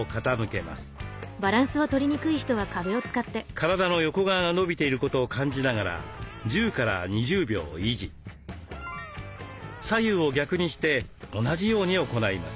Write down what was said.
体の横側が伸びていることを感じながら左右を逆にして同じように行います。